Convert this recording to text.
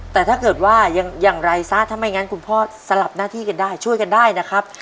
แต่ถ้าเกิดว่าอย่างไรซะถ้าไม่งั้นคุณพ่อสลับหน้าที่กันได้ช่วยกันได้นะครับ